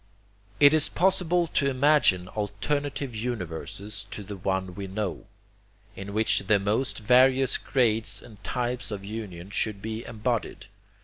It is possible to imagine alternative universes to the one we know, in which the most various grades and types of union should be embodied.